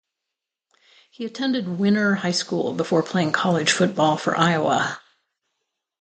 He attended Winner High School before playing college football for Iowa.